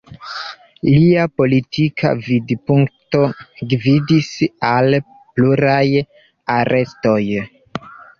Lia politika vidpunkto gvidis al pluraj arestoj.